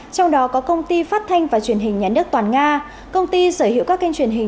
trong đó có công ty phát thanh và truyền hình nhà nước toàn nga công ty sở hữu các kênh truyền hình